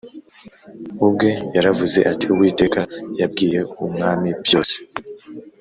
ubwe yaravuze ati Uwiteka yabwiye Umwami byose